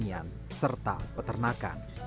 pertanian serta peternakan